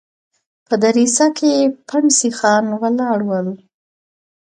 په دريڅه کې پنډ سيخان ولاړ ول.